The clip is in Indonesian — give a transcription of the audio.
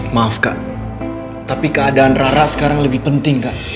maaf kak tapi keadaan rara sekarang lebih penting kak